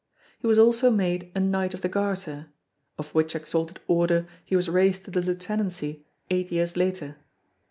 He was also made a Knight of the Garter of which exalted Order he was raised to the Lieutenancy eight years later.